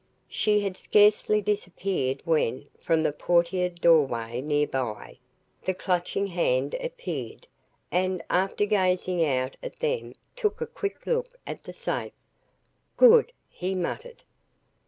She had scarcely disappeared when, from the portiered doorway nearby, the Clutching Hand appeared, and, after gazing out at them, took a quick look at the safe. "Good!" he muttered.